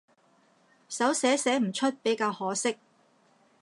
手寫寫唔出比較可惜